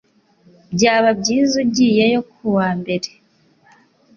Byaba byiza ugiyeyo kuwa mbere.